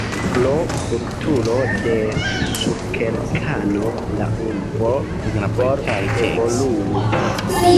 Pro kulturo de sukerkano la urbo forte evoluis.